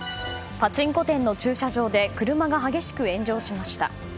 パチンコ店の駐車場で車が激しく炎上しました。